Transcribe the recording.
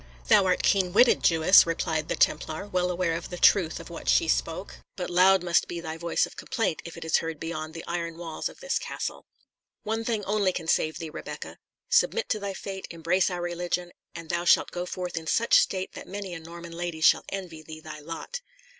"Thou art keen witted, Jewess," replied the Templar, well aware of the truth of what she spoke; "but loud must be thy voice of complaint, if it is heard beyond the iron walls of this castle. One thing only can save thee, Rebecca. Submit to thy fate, embrace our religion, and thou shalt go forth in such state that many a Norman lady shall envy thee thy lot."